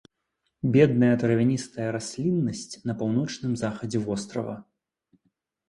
Бедная травяністая расліннасць на паўночным захадзе вострава.